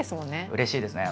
うれしいですね。